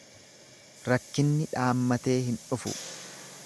Rakkinni dhaammatee hin dhufu.